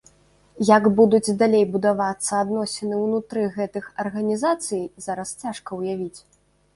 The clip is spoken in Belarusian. Як будуць далей будавацца адносіны ўнутры гэтых арганізацый, зараз цяжка ўявіць.